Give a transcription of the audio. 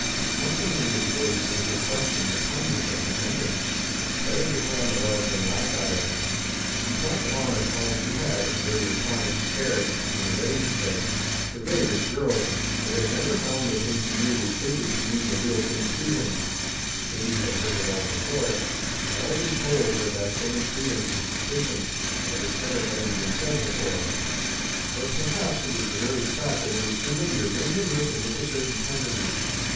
Something in his voice made her question the kindness of her method. Better decline a love than laugh at it. He talked on of how he had, at various times, cared in a way, he said for various girls, but had never found the thing he knew was fated to mean the real thing to him; Katie had heard it all before, and always told with that same freedom from suspicion of its ever having been said before. But perhaps it was the very fact that it was familiar made her listen with a certain tenderness.